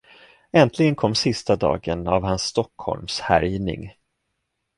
Äntligen kom sista dagen av hans Stockholmshärjning.